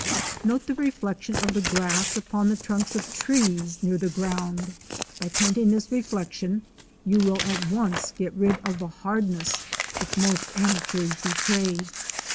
Note the reflection of the grass upon the trunks of trees near the ground. By painting this reflection you will at once get rid of the hardness which most amateurs betray.